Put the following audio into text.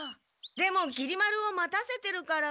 でもきり丸を待たせてるから。